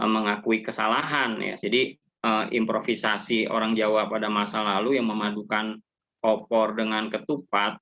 mengakui kesalahan ya jadi improvisasi orang jawa pada masa lalu yang memadukan opor dengan ketupat